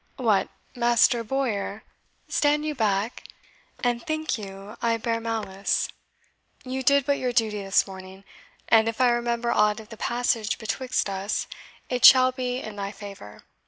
What, Master Bowyer, stand you back, and think you I bear malice? You did but your duty this morning; and if I remember aught of the passage betwixt us, it shall be in thy favour."